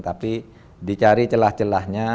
tapi dicari celah celahnya